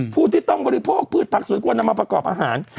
ผู้ที่ต้องบริโภคพืชผักสวนควรนำมาประกอบอาหาร